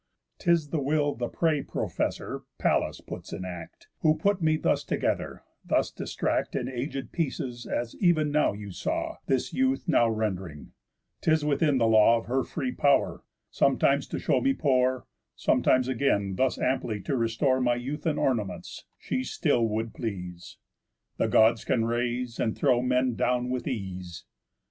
'Tis the will The prey professor Pallas puts in act, Who put me thus together, thus distract In aged pieces as ev'n now you saw, This youth now rend'ring. 'Tis within the law Of her free pow'r. Sometimes to show me poor, Sometimes again thus amply to restore My youth and ornaments, she still would please. _The Gods can raise, and throw men down, with ease."